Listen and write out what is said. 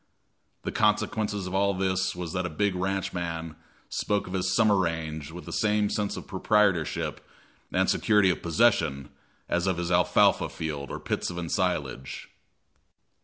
The consequence of all this was that a big ranchman spoke of his summer range with the same sense of proprietorship and security of possession as of his alfalfa field or pits of ensilage.